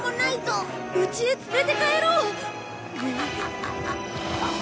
うちへ連れて帰ろう！